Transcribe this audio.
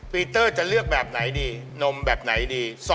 ปีเตอร์จะเลือกแบบไหนดีนมแบบไหนดี